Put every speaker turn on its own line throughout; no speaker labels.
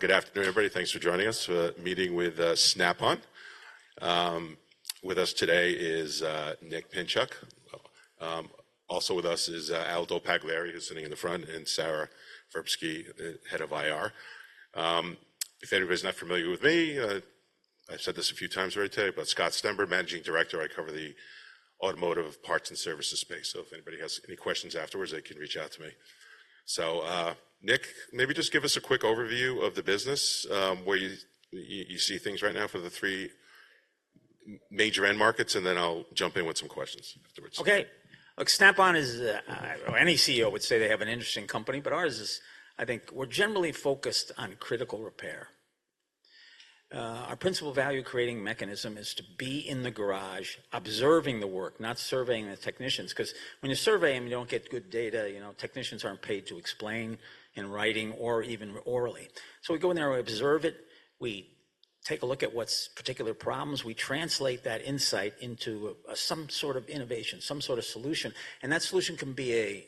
Good afternoon, everybody. Thanks for joining us for a meeting with Snap-on. With us today is Nick Pinchuk. Also with us is Aldo Pagliari, who's sitting in the front, and Sara Verbsky, head of IR. If anybody's not familiar with me, I've said this a few times already today, but Scott Stember, managing director. I cover the automotive parts and services space. So if anybody has any questions afterwards, they can reach out to me. So, Nick, maybe just give us a quick overview of the business, where you see things right now for the three major end markets, and then I'll jump in with some questions afterwards.
Okay. Look, Snap-on is any CEO would say they have an interesting company, but ours is, I think, we're generally focused on critical repair. Our principal value creating mechanism is to be in the garage observing the work, not surveying the technicians. Because when you survey them, you don't get good data. Technicians aren't paid to explain in writing or even orally. So we go in there, we observe it, we take a look at what's particular problems, we translate that insight into some sort of innovation, some sort of solution. And that solution can be a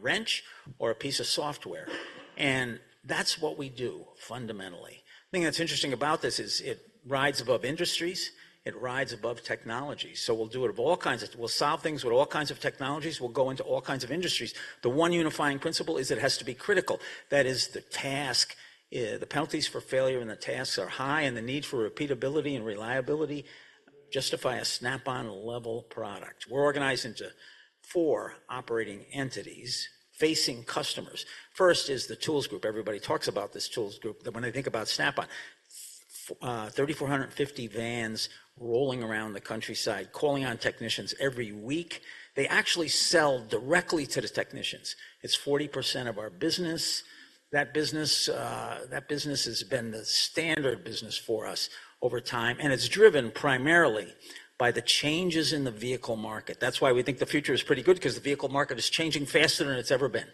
wrench or a piece of software. And that's what we do, fundamentally. The thing that's interesting about this is it rides above industries. It rides above technology. So we'll do it of all kinds. We'll solve things with all kinds of technologies. We'll go into all kinds of industries. The one unifying principle is it has to be critical. That is, the task, the penalties for failure in the tasks are high, and the need for repeatability and reliability justify a Snap-on level product. We're organized into four operating entities facing customers. First is the Tools Group. Everybody talks about this Tools Group when they think about Snap-on. 3,450 vans rolling around the countryside calling on technicians every week. They actually sell directly to the technicians. It's 40% of our business. That business has been the standard business for us over time, and it's driven primarily by the changes in the vehicle market. That's why we think the future is pretty good, because the vehicle market is changing faster than it's ever been.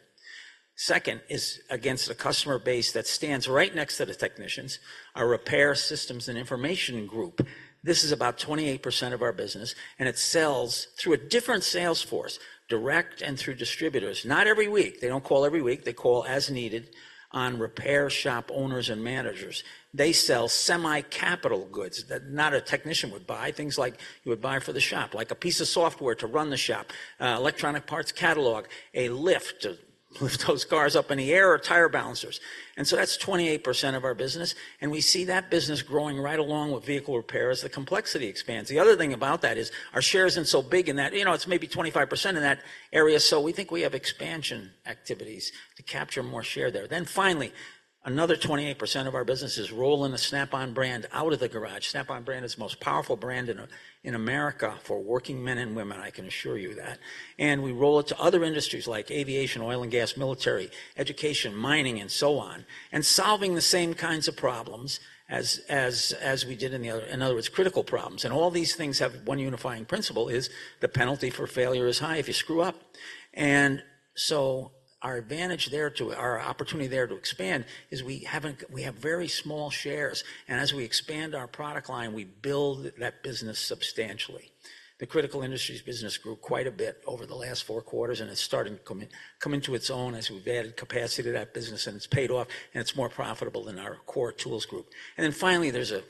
Second is against a customer base that stands right next to the technicians, our Repair Systems & Information Group. This is about 28% of our business, and it sells through a different sales force, direct and through distributors. Not every week. They don't call every week. They call as needed on repair shop owners and managers. They sell semi-capital goods that not a technician would buy, things like you would buy for the shop, like a piece of software to run the shop, electronic parts catalog, a lift to lift those cars up in the air, or tire balancers. And so that's 28% of our business. And we see that business growing right along with vehicle repair as the complexity expands. The other thing about that is our share isn't so big in that it's maybe 25% in that area, so we think we have expansion activities to capture more share there. Then finally, another 28% of our business is rolling the Snap-on brand out of the garage. Snap-on brand is the most powerful brand in America for working men and women. I can assure you that. And we roll it to other industries like aviation, oil and gas, military, education, mining, and so on, and solving the same kinds of problems as we did in the other, in other words, critical problems. And all these things have one unifying principle: the penalty for failure is high if you screw up. And so our advantage there to our opportunity there to expand is we have very small shares. And as we expand our product line, we build that business substantially. The critical industries business grew quite a bit over the last four quarters, and it's starting to come into its own as we've added capacity to that business, and it's paid off, and it's more profitable than our core tools group. Then finally, there's a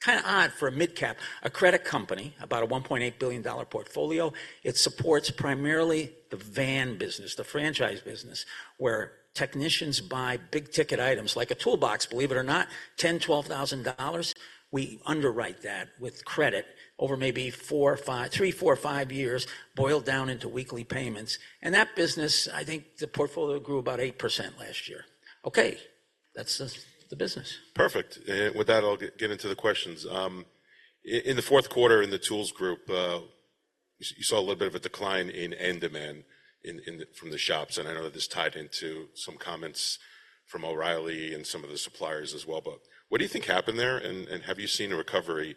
kind of odd for a mid-cap, a credit company, about a $1.8 billion portfolio. It supports primarily the van business, the franchise business, where technicians buy big-ticket items like a toolbox, believe it or not, $10,000, $12,000. We underwrite that with credit over maybe three, four, five years, boiled down into weekly payments. And that business, I think the portfolio grew about 8% last year. Okay. That's the business.
Perfect. With that, I'll get into the questions. In the fourth quarter in the tools group, you saw a little bit of a decline in end demand from the shops. I know that this tied into some comments from O'Reilly and some of the suppliers as well. What do you think happened there, and have you seen a recovery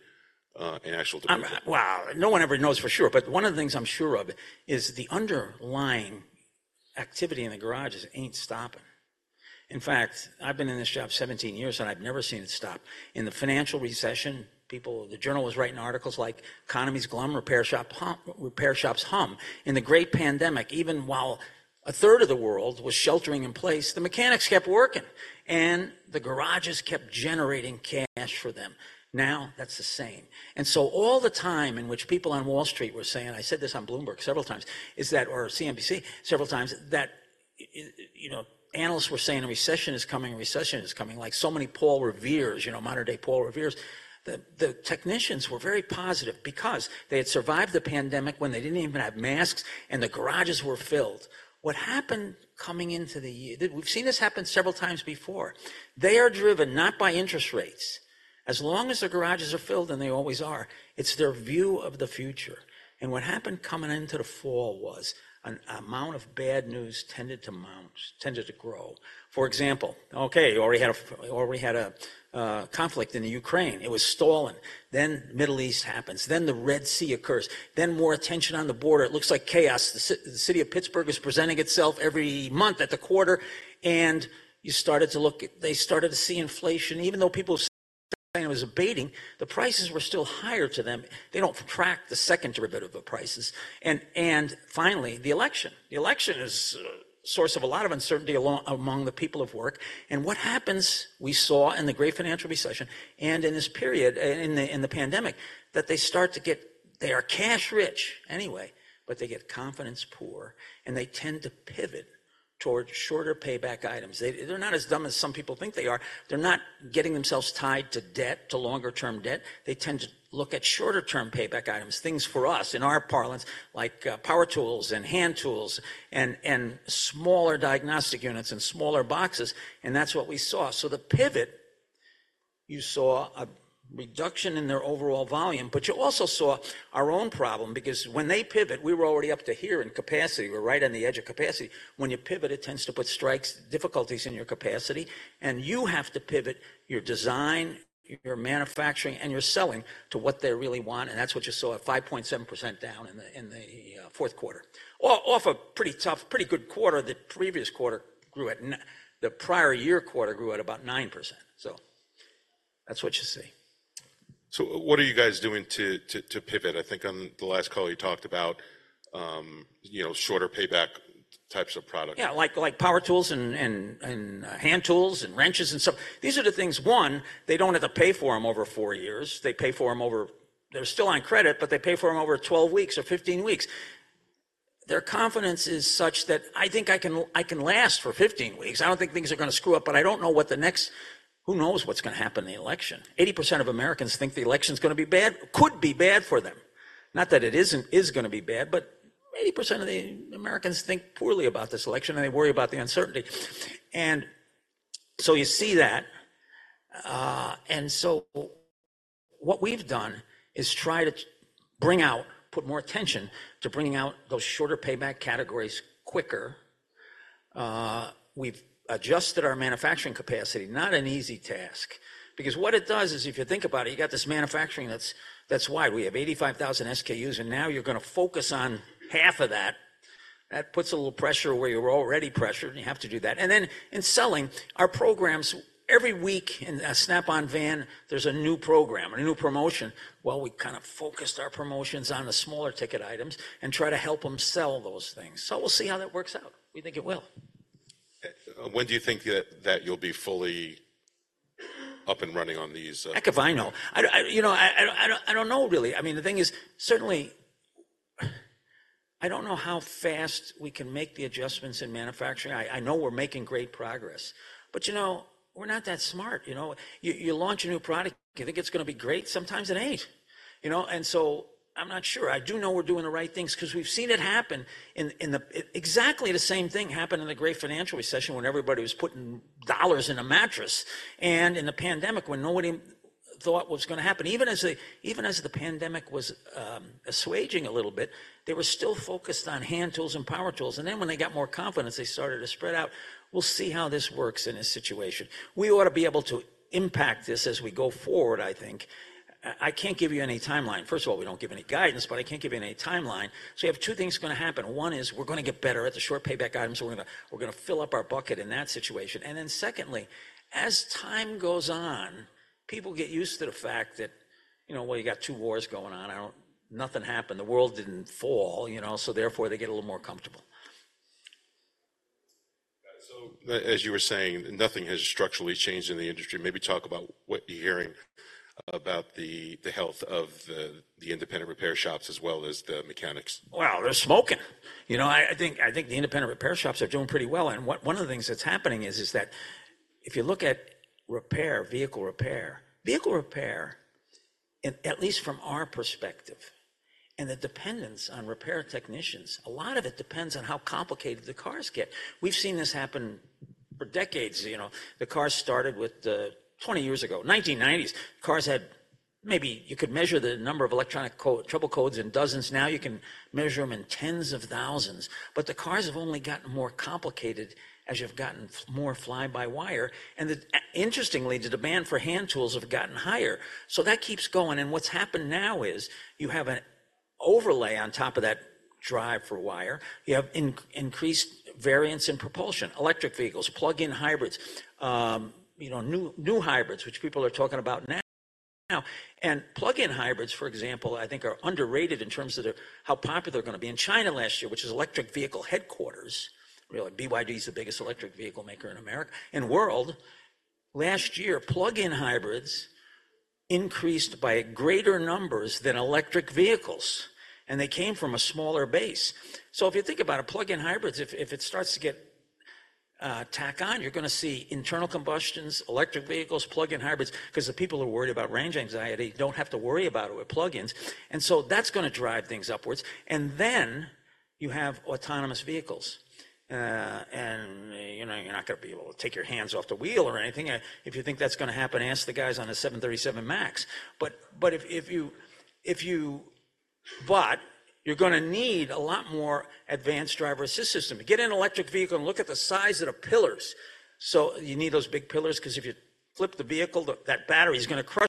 in actual demand?
Wow, no one ever knows for sure. But one of the things I'm sure of is the underlying activity in the garages ain't stopping. In fact, I've been in this job 17 years, and I've never seen it stop. In the financial recession, the Journal was writing articles like "Economy's Glum: Repair Shops Hum." In the great pandemic, even while a third of the world was sheltering in place, the mechanics kept working, and the garages kept generating cash for them. Now that's the same. And so all the time in which people on Wall Street were saying, I said this on Bloomberg several times, or CNBC several times, that analysts were saying a recession is coming, a recession is coming, like so many Paul Reveres, modern-day Paul Reveres. The technicians were very positive because they had survived the pandemic when they didn't even have masks, and the garages were filled. What happened coming into the year, we've seen this happen several times before. They are driven not by interest rates. As long as the garages are filled, and they always are, it's their view of the future. What happened coming into the fall was an amount of bad news tended to grow. For example, okay, you already had a conflict in Ukraine. It was still on. Then the Middle East happens. Then the Red Sea occurs. Then more attention on the border. It looks like chaos. The CPI print is presenting itself every month at the quarter. And you started to look, they started to see inflation. Even though people were saying it was abating, the prices were still higher to them. They don't track the second derivative of prices. And finally, the election. The election is a source of a lot of uncertainty among the people of work. And what happens, we saw in the great financial recession and in this period, in the pandemic, that they start to get they are cash-rich anyway, but they get confidence-poor, and they tend to pivot towards shorter payback items. They're not as dumb as some people think they are. They're not getting themselves tied to debt, to longer-term debt. They tend to look at shorter-term payback items, things for us, in our parlance, like power tools and hand tools and smaller diagnostic units and smaller boxes. And that's what we saw. So the pivot, you saw a reduction in their overall volume, but you also saw our own problem. Because when they pivot, we were already up to here in capacity. We're right on the edge of capacity. When you pivot, it tends to put strikes, difficulties in your capacity, and you have to pivot your design, your manufacturing, and your selling to what they really want. And that's what you saw at 5.7% down in the fourth quarter, off a pretty tough, pretty good quarter. The previous quarter grew at the prior year quarter grew at about 9%. So that's what you see.
So what are you guys doing to pivot? I think on the last call, you talked about shorter payback types of products.
Yeah, like power tools and hand tools and wrenches and stuff. These are the things, one, they don't have to pay for them over four years. They pay for them over. They're still on credit, but they pay for them over 12 weeks or 15 weeks. Their confidence is such that I think I can last for 15 weeks. I don't think things are going to screw up, but I don't know what the next, who knows what's going to happen in the election. 80% of Americans think the election is going to be bad, could be bad for them. Not that it isn't going to be bad, but 80% of the Americans think poorly about this election, and they worry about the uncertainty. And so you see that. And so what we've done is try to bring out, put more attention to bringing out those shorter payback categories quicker. We've adjusted our manufacturing capacity. Not an easy task. Because what it does is, if you think about it, you got this manufacturing that's wide. We have 85,000 SKUs, and now you're going to focus on half of that. That puts a little pressure where you're already pressured, and you have to do that. And then in selling, our programs, every week in a Snap-on van, there's a new program, a new promotion. Well, we kind of focused our promotions on the smaller ticket items and try to help them sell those things. So we'll see how that works out. We think it will.
When do you think that you'll be fully up and running on these?
Heck if I know. I don't know, really. I mean, the thing is, certainly, I don't know how fast we can make the adjustments in manufacturing. I know we're making great progress, but we're not that smart. You launch a new product, you think it's going to be great. Sometimes it ain't. And so I'm not sure. I do know we're doing the right things because we've seen exactly the same thing happen in the great financial recession when everybody was putting dollars in a mattress, and in the pandemic, when nobody thought what was going to happen. Even as the pandemic was assuaging a little bit, they were still focused on hand tools and power tools. And then when they got more confidence, they started to spread out. We'll see how this works in this situation. We ought to be able to impact this as we go forward, I think. I can't give you any timeline. First of all, we don't give any guidance, but I can't give you any timeline. So you have two things going to happen. One is we're going to get better at the short payback items. We're going to fill up our bucket in that situation. And then secondly, as time goes on, people get used to the fact that, well, you got two wars going on. Nothing happened. The world didn't fall. So therefore, they get a little more comfortable.
As you were saying, nothing has structurally changed in the industry. Maybe talk about what you're hearing about the health of the independent repair shops as well as the mechanics.
Wow, they're smoking. I think the independent repair shops are doing pretty well. And one of the things that's happening is that if you look at repair, vehicle repair, vehicle repair, at least from our perspective, and the dependence on repair technicians, a lot of it depends on how complicated the cars get. We've seen this happen for decades. The cars started with 20 years ago, 1990s. Cars had maybe you could measure the number of electronic trouble codes in dozens. Now you can measure them in tens of thousands. But the cars have only gotten more complicated as you've gotten more fly-by-wire. And interestingly, the demand for hand tools has gotten higher. So that keeps going. And what's happened now is you have an overlay on top of that drive for wire. You have increased variance in propulsion, electric vehicles, plug-in hybrids, new hybrids, which people are talking about now. Plug-in hybrids, for example, I think are underrated in terms of how popular they're going to be. In China last year, which is electric vehicle headquarters, really, BYD is the biggest electric vehicle maker in America, and world, last year, plug-in hybrids increased by greater numbers than electric vehicles. They came from a smaller base. So if you think about it, plug-in hybrids, if it starts to get traction, you're going to see internal combustion, electric vehicles, plug-in hybrids, because the people who are worried about range anxiety don't have to worry about it with plug-ins. So that's going to drive things upwards. Then you have autonomous vehicles. You're not going to be able to take your hands off the wheel or anything. If you think that's going to happen, ask the guys on the 737 MAX. But if you bought, you're going to need a lot more advanced driver assist system. Get an electric vehicle and look at the size of the pillars. So you need those big pillars because if you flip the vehicle, that battery is going to crush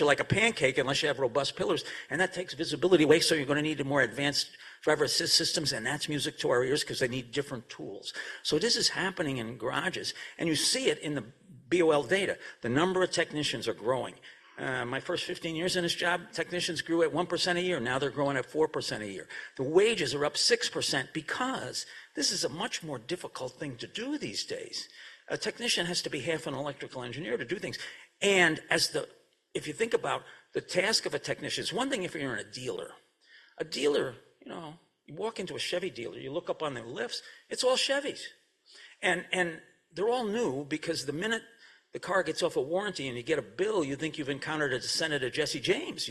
you like a pancake unless you have robust pillars. And that takes visibility away. So you're going to need more advanced driver assist systems. And that's music to our ears because they need different tools. So this is happening in garages. And you see it in the DOL data. The number of technicians are growing. My first 15 years in this job, technicians grew at 1% a year. Now they're growing at 4% a year. The wages are up 6% because this is a much more difficult thing to do these days. A technician has to be half an electrical engineer to do things. If you think about the task of a technician, it's one thing if you're in a dealer. A dealer, you walk into a Chevy dealer, you look up on the lifts, it's all Chevys. They're all new because the minute the car gets off a warranty and you get a bill, you think you've encountered a descendant of Jesse James.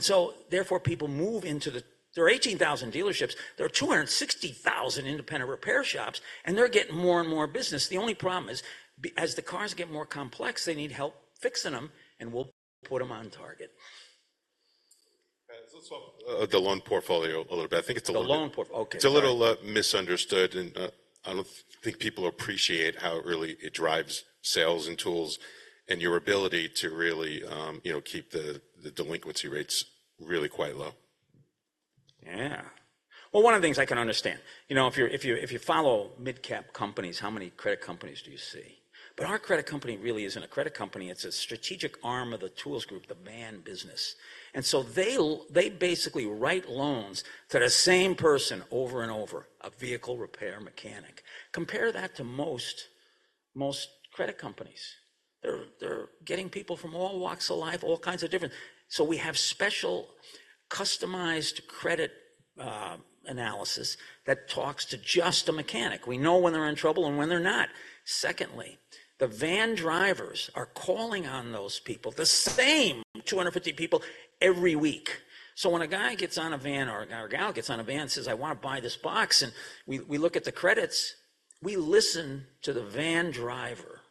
So therefore, people move into. There are 18,000 dealerships. There are 260,000 independent repair shops, and they're getting more and more business. The only problem is, as the cars get more complex, they need help fixing them, and we'll put them on target.
Let's talk about the loan portfolio a little bit. I think it's a little.
The loan portfolio.
It's a little misunderstood. I don't think people appreciate how really it drives sales and tools and your ability to really keep the delinquency rates really quite low.
Yeah. Well, one of the things I can understand, if you follow mid-cap companies, how many credit companies do you see? But our credit company really isn't a credit company. It's a strategic arm of the tools group, the van business. And so they basically write loans to the same person over and over, a vehicle repair mechanic. Compare that to most credit companies. They're getting people from all walks of life, all kinds of different. So we have special customized credit analysis that talks to just a mechanic. We know when they're in trouble and when they're not. Secondly, the van drivers are calling on those people, the same 250 people, every week. So when a guy gets on a van or a gal gets on a van and says, "I want to buy this box," and we look at the credits, we listen to the van driver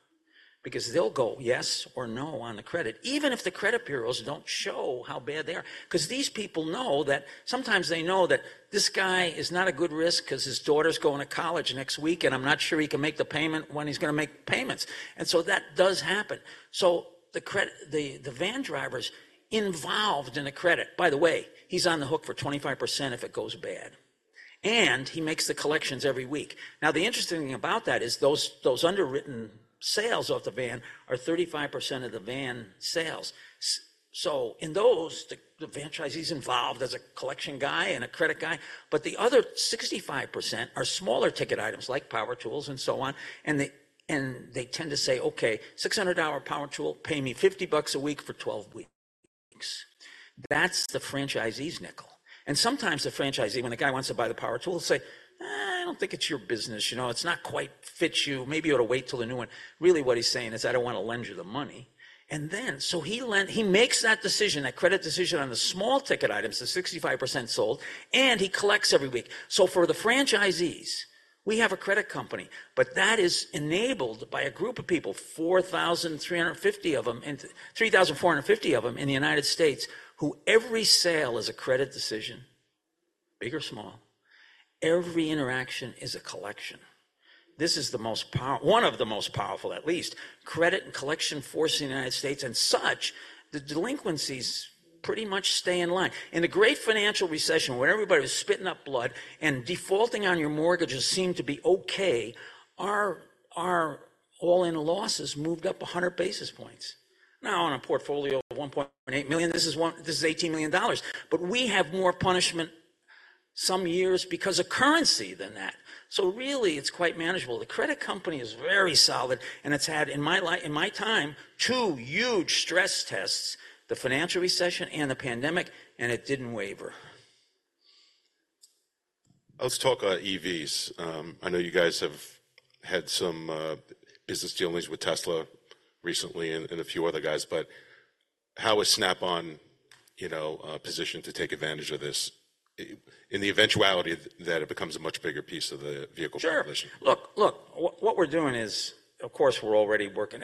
because they'll go yes or no on the credit, even if the credit bureaus don't show how bad they are. Because these people know that sometimes they know that this guy is not a good risk because his daughter's going to college next week, and I'm not sure he can make the payment when he's going to make payments. And so that does happen. So the van drivers involved in the credit, by the way, he's on the hook for 25% if it goes bad. And he makes the collections every week. Now, the interesting thing about that is those underwritten sales of the van are 35% of the van sales. So in those, the franchisee is involved as a collection guy and a credit guy. But the other 65% are smaller ticket items like power tools and so on. And they tend to say, "Okay, $600 power tool, pay me $50 a week for 12 weeks." That's the franchisee's nickel. And sometimes the franchisee, when the guy wants to buy the power tool, will say, "I don't think it's your business. It's not quite fits you. Maybe you ought to wait till the new one." Really, what he's saying is, "I don't want to lend you the money." And then so he makes that decision, that credit decision on the small ticket items, the 65% sold, and he collects every week. So for the franchisees, we have a credit company, but that is enabled by a group of people, 4,350 of them, 3,450 of them in the United States, who every sale is a credit decision, big or small. Every interaction is a collection. This is one of the most powerful, at least, credit and collection force in the United States. As such, the delinquencies pretty much stay in line. In the great financial recession, where everybody was spitting up blood and defaulting on your mortgages seemed to be okay, our all-in losses moved up 100 basis points. Now, on a portfolio of 1.8 million, this is $18 million. But we have more punishment some years because of currency than that. So really, it's quite manageable. The credit company is very solid, and it's had, in my time, two huge stress tests, the financial recession and the pandemic, and it didn't waver.
Let's talk EVs. I know you guys have had some business dealings with Tesla recently and a few other guys. But how is Snap-on positioned to take advantage of this in the eventuality that it becomes a much bigger piece of the vehicle population?
Sure. Look, what we're doing is, of course, we're already working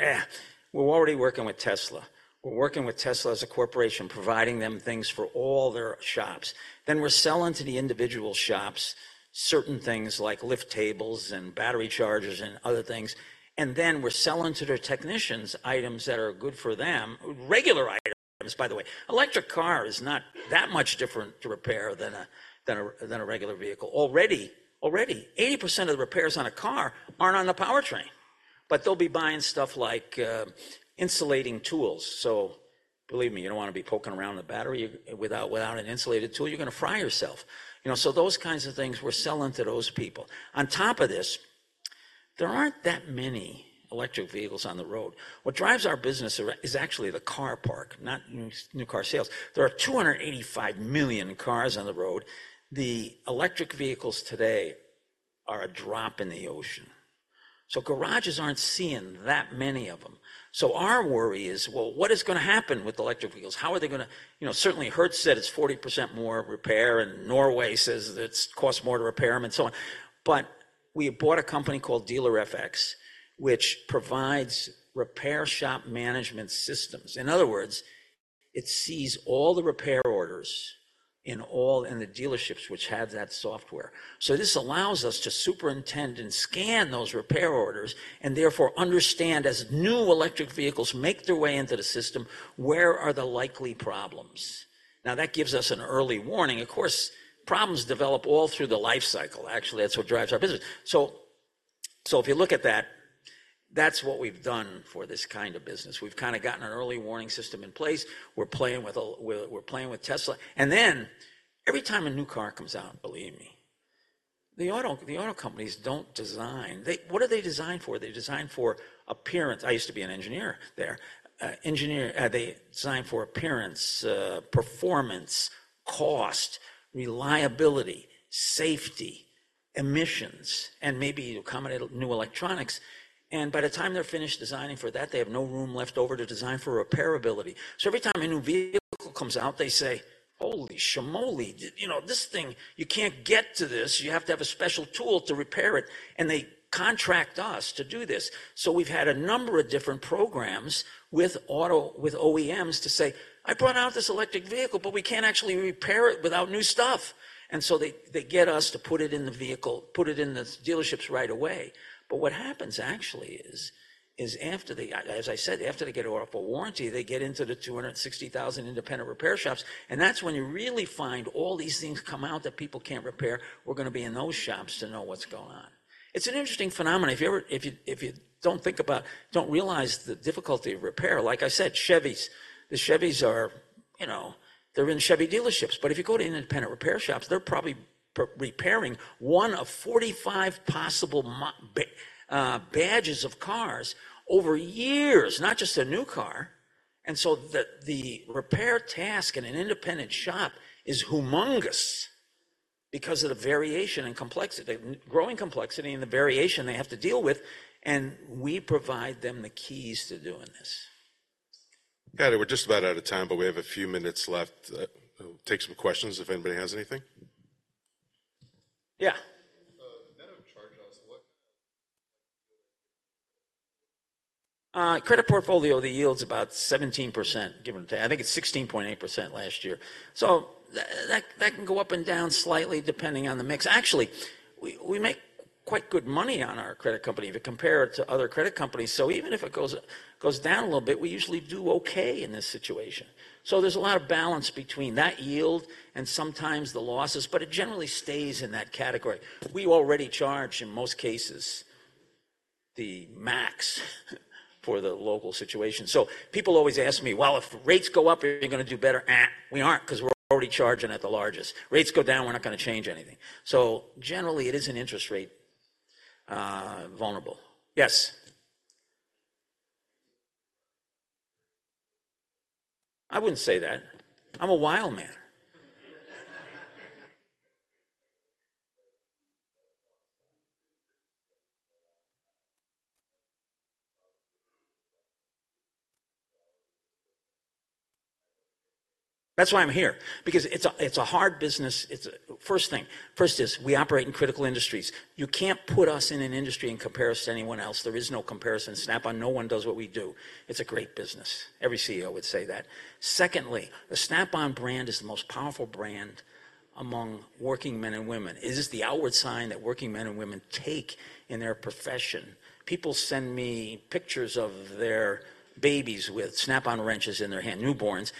with Tesla. We're working with Tesla as a corporation, providing them things for all their shops. Then we're selling to the individual shops certain things like lift tables and battery chargers and other things. And then we're selling to their technicians items that are good for them, regular items, by the way. Electric car is not that much different to repair than a regular vehicle. Already, 80% of the repairs on a car aren't on the powertrain. But they'll be buying stuff like insulating tools. So believe me, you don't want to be poking around the battery without an insulated tool. You're going to fry yourself. So those kinds of things, we're selling to those people. On top of this, there aren't that many electric vehicles on the road. What drives our business is actually the car park, not new car sales. There are 285 million cars on the road. The electric vehicles today are a drop in the ocean. So garages aren't seeing that many of them. So our worry is, well, what is going to happen with electric vehicles? How are they going to certainly, Hertz said it's 40% more repair, and Norway says that it costs more to repair them and so on. But we bought a company called Dealer-FX, which provides repair shop management systems. In other words, it sees all the repair orders in the dealerships which had that software. So this allows us to superintend and scan those repair orders and therefore understand, as new electric vehicles make their way into the system, where are the likely problems? Now, that gives us an early warning. Of course, problems develop all through the life cycle. Actually, that's what drives our business. So if you look at that, that's what we've done for this kind of business. We've kind of gotten an early warning system in place. We're playing with Tesla. And then every time a new car comes out, believe me, the auto companies don't design what? Are they designed for? They're designed for appearance. I used to be an engineer there. Engineer, they design for appearance, performance, cost, reliability, safety, emissions, and maybe accommodate new electronics. And by the time they're finished designing for that, they have no room left over to design for repairability. So every time a new vehicle comes out, they say, "Holy shmoly. This thing, you can't get to this. You have to have a special tool to repair it." And they contract us to do this. So we've had a number of different programs with OEMs to say, "I brought out this electric vehicle, but we can't actually repair it without new stuff." And so they get us to put it in the vehicle, put it in the dealerships right away. But what happens actually is, as I said, after they get it off a warranty, they get into the 260,000 independent repair shops. And that's when you really find all these things come out that people can't repair. We're going to be in those shops to know what's going on. It's an interesting phenomenon. If you don't think about don't realize the difficulty of repair, like I said, Chevys, the Chevys, they're in Chevy dealerships. But if you go to independent repair shops, they're probably repairing one of 45 possible badges of cars over years, not just a new car. The repair task in an independent shop is humongous because of the variation and complexity, the growing complexity and the variation they have to deal with. We provide them the keys to doing this.
Got it. We're just about out of time, but we have a few minutes left. Take some questions if anybody has anything.
Yeah.
So the net of charge loss, what kind of?
Credit portfolio, the yield's about 17% given today. I think it's 16.8% last year. So that can go up and down slightly depending on the mix. Actually, we make quite good money on our credit company if you compare it to other credit companies. So even if it goes down a little bit, we usually do okay in this situation. So there's a lot of balance between that yield and sometimes the losses, but it generally stays in that category. We already charge in most cases the max for the local situation. So people always ask me, "Well, if rates go up, are you going to do better?" We aren't because we're already charging at the largest. Rates go down, we're not going to change anything. So generally, it is an interest rate vulnerable. Yes. I wouldn't say that. I'm a wild man. That's why I'm here, because it's a hard business. First thing, first is we operate in critical industries. You can't put us in an industry and compare us to anyone else. There is no comparison. Snap-on, no one does what we do. It's a great business. Every CEO would say that. Secondly, the Snap-on brand is the most powerful brand among working men and women. It is the outward sign that working men and women take in their profession. People send me pictures of their babies with Snap-on wrenches in their hand, newborns,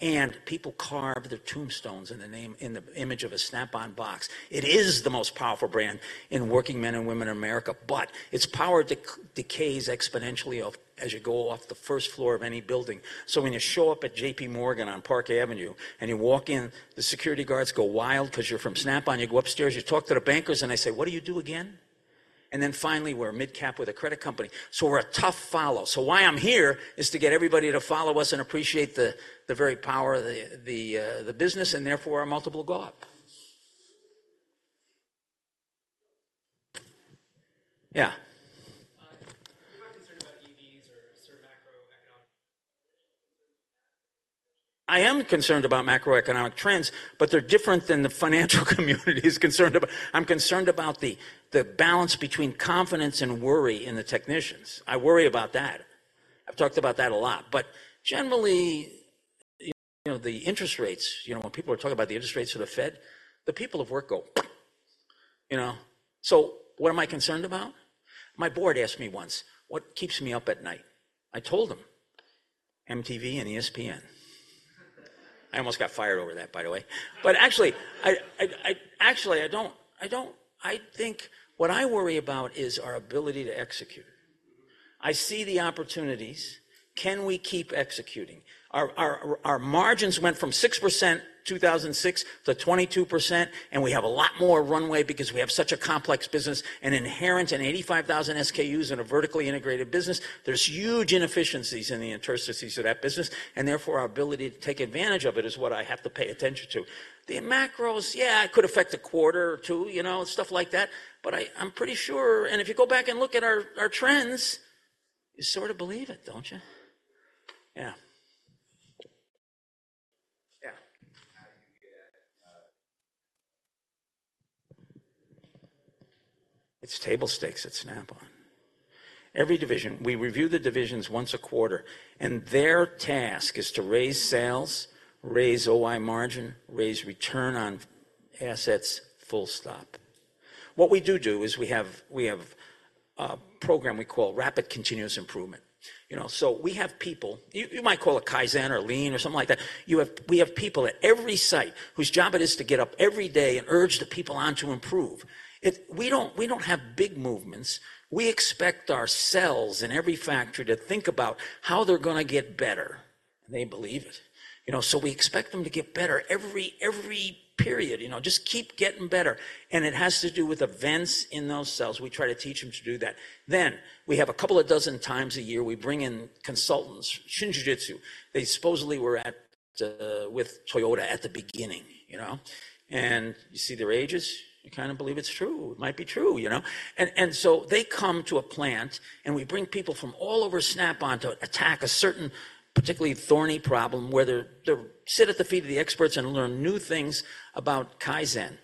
and people carve their tombstones in the name in the image of a Snap-on box. It is the most powerful brand in working men and women in America, but its power decays exponentially as you go off the first floor of any building. When you show up at J.P. Morgan on Park Avenue and you walk in, the security guards go wild because you're from Snap-on. You go upstairs, you talk to the bankers, and they say, "What do you do again?" And then finally, we're mid-cap with a credit company. So we're a tough follow. So why I'm here is to get everybody to follow us and appreciate the very power of the business, and therefore our multiple go up. Yeah.
You're not concerned about EVs or sort of macroeconomic trends?
I am concerned about macroeconomic trends, but they're different than the financial community is concerned about. I'm concerned about the balance between confidence and worry in the technicians. I worry about that. I've talked about that a lot. But generally, the interest rates, when people are talking about the interest rates of the Fed, the people of work go, "Pfft." So what am I concerned about? My board asked me once, "What keeps me up at night?" I told them, "MTV and ESPN." I almost got fired over that, by the way. But actually, I don't I think what I worry about is our ability to execute. I see the opportunities. Can we keep executing? Our margins went from 6% in 2006 to 22%, and we have a lot more runway because we have such a complex business and inherent and 85,000 SKUs in a vertically integrated business. There's huge inefficiencies in the intricacies of that business, and therefore our ability to take advantage of it is what I have to pay attention to. The macros, yeah, it could affect a quarter or two, stuff like that. But I'm pretty sure and if you go back and look at our trends, you sort of believe it, don't you? Yeah. Yeah.
How do you get at?
It's table stakes at Snap-on. Every division, we review the divisions once a quarter, and their task is to raise sales, raise OI margin, raise return on assets, full stop. What we do do is we have a program we call Rapid Continuous Improvement. So we have people you might call it Kaizen or Lean or something like that. We have people at every site whose job it is to get up every day and urge the people on to improve. We don't have big movements. We expect our cells in every factory to think about how they're going to get better, and they believe it. So we expect them to get better every period, just keep getting better. And it has to do with events in those cells. We try to teach them to do that. Then we have a couple of dozen times a year, we bring in consultants, Shingijutsu. They supposedly were with Toyota at the beginning. And you see their ages, you kind of believe it's true. It might be true. And so they come to a plant, and we bring people from all over Snap-on to attack a certain, particularly thorny problem where they sit at the feet of the experts and learn new things about Kaizen.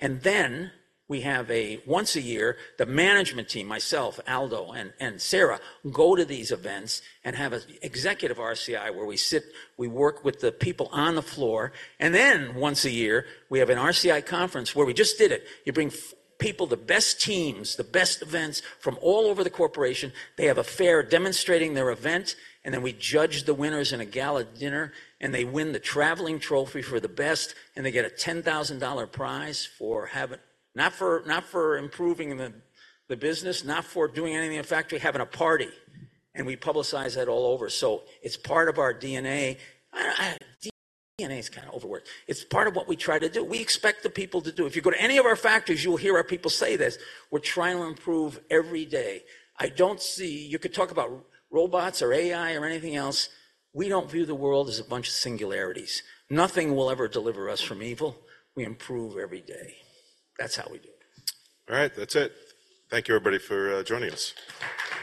And then we have once a year, the management team, myself, Aldo, and Sara, go to these events and have an executive RCI where we sit, we work with the people on the floor. And then once a year, we have an RCI conference where we just did it. You bring people, the best teams, the best events from all over the corporation. They have a fair demonstrating their event, and then we judge the winners in a gala dinner, and they win the traveling trophy for the best, and they get a $10,000 prize for having a party, not for improving the business, not for doing anything in the factory. We publicize that all over. So it's part of our DNA. DNA is kind of overworked. It's part of what we try to do. We expect the people to do. If you go to any of our factories, you'll hear our people say this. We're trying to improve every day. I don't see you could talk about robots or AI or anything else. We don't view the world as a bunch of singularities. Nothing will ever deliver us from evil. We improve every day. That's how we do it.
All right. That's it. Thank you, everybody, for joining us.